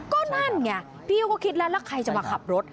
ก็นั่นไงพี่เขาก็คิดแล้วแล้วใครจะมาขับรถ